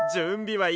はい！